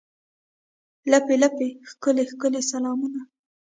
لپې، لپې ښکلي، ښکلي سلامونه